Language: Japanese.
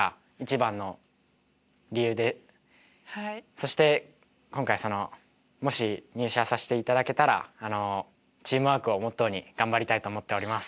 そして今回そのもし入社さしていただけたらあのチームワークをモットーに頑張りたいと思っております。